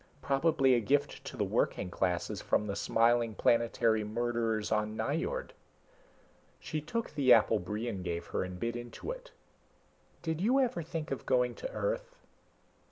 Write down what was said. Probably a gift to the working classes from the smiling planetary murderers on Nyjord." She took the apple Brion gave her and bit into it. "Did you ever think of going to Earth?"